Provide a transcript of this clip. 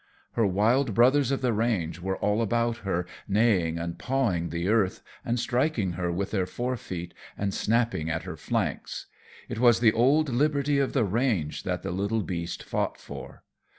Her wild brothers of the range were all about her, neighing, and pawing the earth, and striking her with their fore feet and snapping at her flanks. It was the old liberty of the range that the little beast fought for.